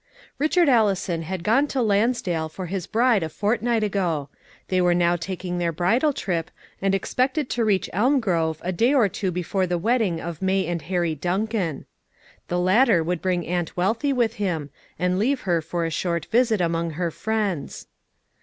Richard Allison had gone to Lansdale for his bride a fortnight ago; they were now taking their bridal trip and expected to reach Elmgrove a day or two before the wedding of May and Harry Duncan. The latter would bring Aunt Wealthy with him, and leave her for a short visit among her friends.